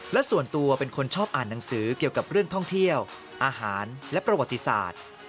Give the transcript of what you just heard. และส่วนตัวเป็นคนชอบอ่านหนังสือเกี่ยวกับเรื่องท่องเที่ยวอาหารและประวัติศาสตร์